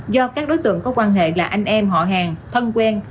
do các đối tượng có quan hệ là anh em họ hàng thân quen